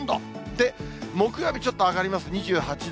で、木曜日ちょっと上がります、２８度。